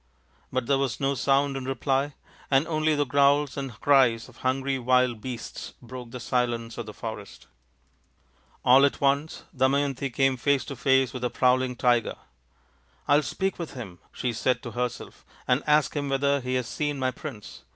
But there was no sound in reply, and only the growls and cries of hungry wild beasts broke the silence of the forest. All at once Damayanti came face to face with a prowling tiger. " I'll speak with him," she said to herself, " and ask him whether he has seen my prince.